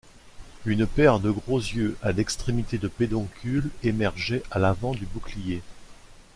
Une paire de gros yeux à l’extrémité de pédoncules émergeait à l’avant du bouclier.